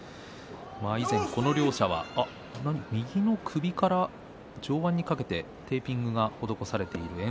以前この両者は炎鵬は右の首から上腕にかけてテーピングが施されていますね。